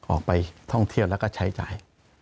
ออกไปท่องเที่ยวแล้วก็ใช้จ่าย